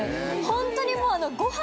ホントにもう。